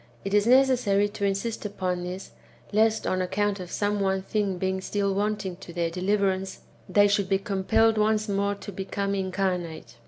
It is necessary^ to insist upon this, lest, on account of some one thing being still wanting to their deliverance, they should be compelled once more to become incarnate.